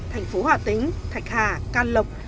thành phố hòa tính thạch hà can lộc